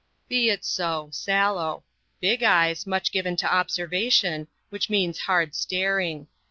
"Be it so, sallow. Big eyes, much given to observation, which means hard staring.